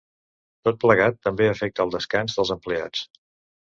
Tot plegat també afecta el descans dels empleats.